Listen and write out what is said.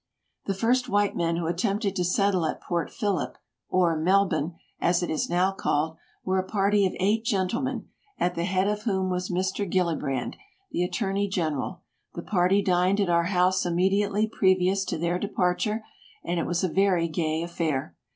The first white men who attempted to settle at Port Phillip, or Melbourne, as it is now called, were a party of eight gentle men, at the head of whom was Mr. Gilli brand, the attorney general. The party dined at our house immediately previous to their departure, and it was a very gay affair.